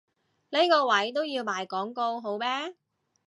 呢個位都要賣廣告好咩？